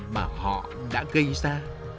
mà họ đã gây ra